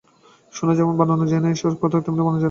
সোনা যেমন বানানো যায় না এ-সব কথাও তেমনি বানানো যায় না।